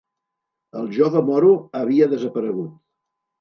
El jove moro havia desaparegut.